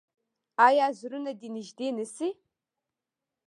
آیا زړونه دې نږدې نشي؟